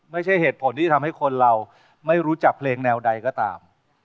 ไม่ใช่เหตุผลที่ทำให้คนเราไม่รู้จักเพลงแนวใดก็ตาม